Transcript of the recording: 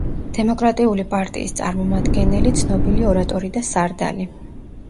დემოკრატიული პარტიის წარმომადგენელი, ცნობილი ორატორი და სარდალი.